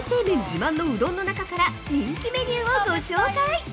自慢のうどんの中から人気メニューをご紹介！